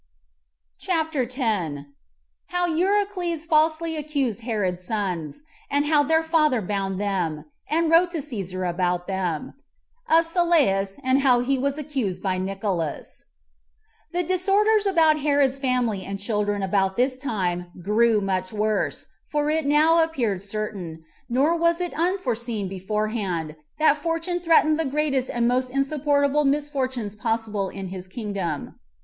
CHAPTER 10. How Eurycles Falsely Accused Herod's Sons; And How Their Father Bound Them, And Wrote To Cæsar About Them. Of Sylleus And How He Was Accused By Nicolaus. 1. The disorders about Herod's family and children about this time grew much worse; for it now appeared certain, nor was it unforeseen before hand, that fortune threatened the greatest and most insupportable misfortunes possible to his kingdom.